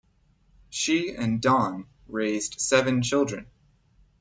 She and Don raised seven children.